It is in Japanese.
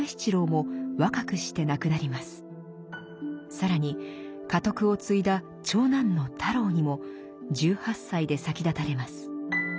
更に家督を継いだ長男の太郎にも１８歳で先立たれます。